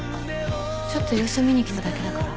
ちょっと様子を見にきただけだから。